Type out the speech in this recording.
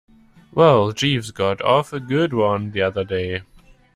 Well, Jeeves got off a good one the other day.